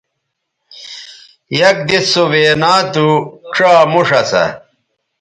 یک دِس سو وینا تھو ڇا موݜ اسا